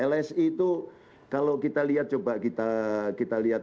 lsi itu kalau kita lihat coba kita lihat